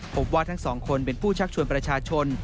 พบว่าทั้งสองคนเป็นผู้ชักชวนประชาชน